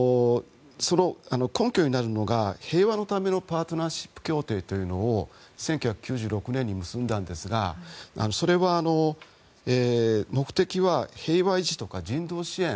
根拠になるのが平和のためのパートナーシップ協定というのを１９９６年に結んだんですがそれは、目的は平和維持とか人道支援。